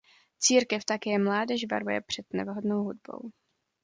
Církev také mládež varuje před nevhodnou hudbou.